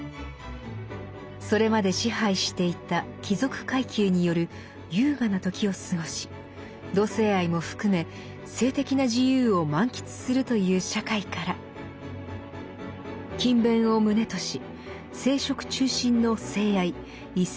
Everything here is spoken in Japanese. それまで支配していた貴族階級による優雅な時を過ごし同性愛も含め性的な自由を満喫するという社会から勤勉を旨とし生殖中心の性愛異性愛が励行されるようになりました。